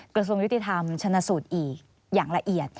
กระทรวงยุติธรรมชนะสูตรอีกอย่างละเอียด